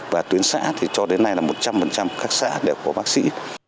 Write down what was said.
và tuyến xã thì cho đến nay là một trăm linh các xã đều có bác sĩ